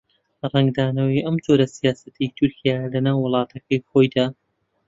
ڕەنگدانەوەی ئەم جۆرە سیاسەتەی تورکیا لەناو وڵاتەکەی خۆیدا